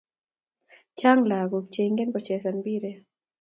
Chang lakok che ingen kochezan mpiret